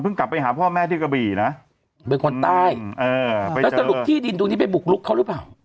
กลับไปหาพ่อแม่ที่กระบี่นะเป็นคนใต้แล้วสรุปที่ดินตรงนี้ไปบุกลุกเขาหรือเปล่า